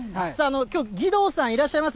きょう、義堂さんいらっしゃいます？